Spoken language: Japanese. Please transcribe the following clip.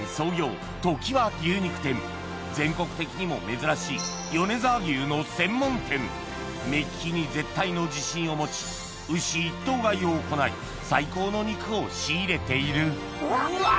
全国的にも珍しい目利きに絶対の自信を持ち牛一頭買いを行い最高の肉を仕入れているうわっ。